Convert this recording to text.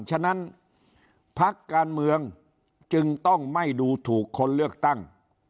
ฉะนั้นพักการเมืองจึงต้องไม่ดูถูกคนเลือกตั้ง